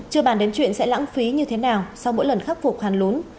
chưa bàn đến chuyện sẽ lãng phí như thế nào sau mỗi lần khắc phục hàn lún